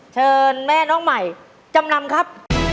เชิญแม่น้องใหม่จำนำครับ